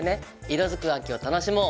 「色づく秋を楽しもう！